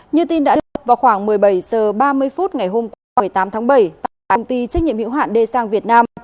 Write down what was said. như tin đã được vào khoảng một mươi bảy h ba mươi ngày hôm một mươi tám tháng bảy tại công ty trách nhiệm hữu hạn đê sang việt nam